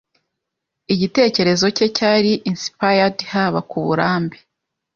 Igitekerezo cye cyari inspired haba kuburambe